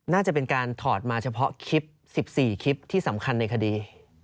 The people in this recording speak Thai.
น่าจะเป็นการถอดมาเฉพาะคลิป๑๔คลิปที่สำคัญในคดี